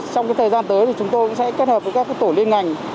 trong thời gian tới thì chúng tôi cũng sẽ kết hợp với các tổ liên ngành